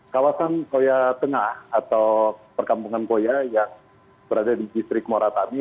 kawasan koya tengah atau perkampungan koya yang berada di distrik moratami